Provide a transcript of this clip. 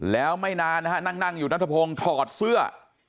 แล้วไม่นานนะฮะนั่งอยู่นัทพงศ์ถอดเสื้อ